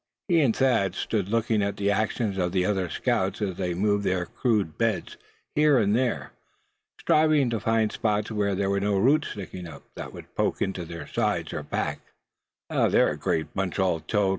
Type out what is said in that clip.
He and Thad stood looking at the actions of the other scouts as they moved their rude beds here and there, striving to find spots where there were no roots sticking up, that would poke into their sides or backs. "They're a great bunch, all told!"